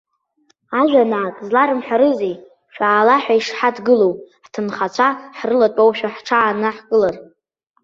Ажәа наак зларымҳәарызеи, шәаала ҳәа ишҳадгылоу, ҳҭынхацәа ҳрылатәоушәа ҳҽаанаҳкылар?!